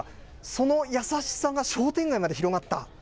その優しさが商店街まで広がった。